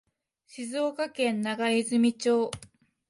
静岡県長泉町